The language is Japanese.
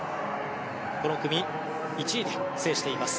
この組１位で制しています。